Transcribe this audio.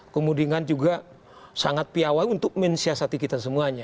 kemudian juga sangat piawai untuk mensiasati kita semuanya